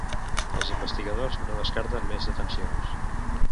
Els investigadors no descarten més detencions.